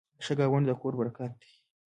ښه ګاونډ د کور برکت دی.